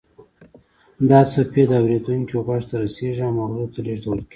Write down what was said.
دا څپې د اوریدونکي غوږ ته رسیږي او مغزو ته لیږدول کیږي